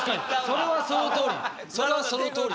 それはそのとおりでしょ。